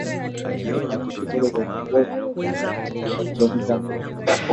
Marekani Shimo hilo lenye urefu wa kilometa mbili